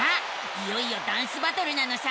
いよいよダンスバトルなのさ！